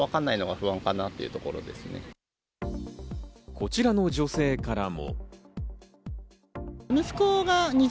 こちらの女性からも。